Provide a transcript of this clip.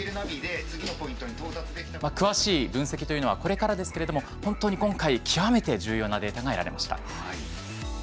詳しい分析というのはこれからですけれども本当に今回極めて重要なデータが得られました。